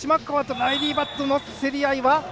ライリー・バットとの競り合い。